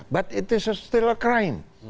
tapi ini masih kejahatan